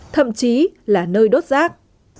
thậm chí là nơi đốt rác